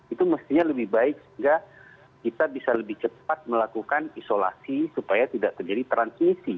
itu mestinya lebih baik sehingga kita bisa lebih cepat melakukan isolasi supaya tidak terjadi transmisi